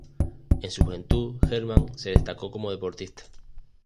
En su juventud Hermann se destacó como deportista.